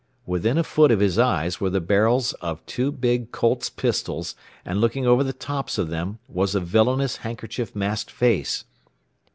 Within a foot of his eyes were the barrels of two big Colt's pistols, and looking over the tops of them was a villainous handkerchief masked face.